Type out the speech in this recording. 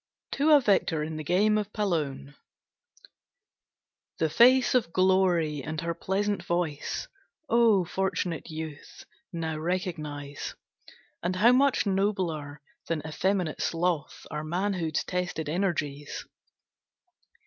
TO A VICTOR IN THE GAME OF PALLONE. The face of glory and her pleasant voice, O fortunate youth, now recognize, And how much nobler than effeminate sloth Are manhood's tested energies.